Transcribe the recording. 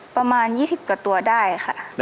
ประมาณ๒๐กว่าตัวได้ค่ะ